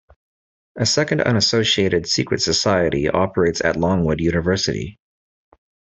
A second unassociated secret society operates at Longwood University.